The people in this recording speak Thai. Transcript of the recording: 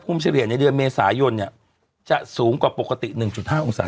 ภูมิเฉลี่ยในเดือนเมษายนเนี้ยจะสูงกว่าปกติหนึ่งจุดห้าองศา